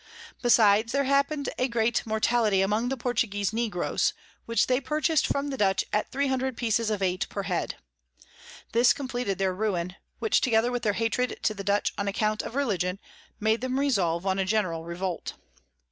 Besides, there happen'd a great Mortality among the Portuguese Negroes, which they purchas'd from the Dutch at 300 Pieces of Eight per head. This compleated their Ruin; which, together with their Hatred to the Dutch on account of Religion, made them resolve on a general Revolt.